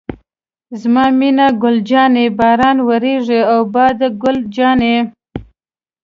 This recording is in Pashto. زما مینه ګل جانې، بارانه وورېږه او باده ګل جانې.